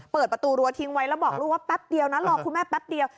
เปิดประตูรั้วทิ้งไว้แล้วบอกลูกว่าแป๊บเดียวนะรอคุณแม่แป๊บเดียว